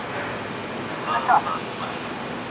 هره څېړنه یوازي د نوو حقایقو د موندلو لپاره ترسره کېږي.